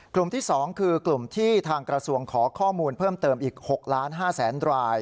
กลุ่มที่๒คือกลุ่มที่ทางกระทรวงขอข้อมูลเพิ่มเติมอีก๖ล้าน๕แสนราย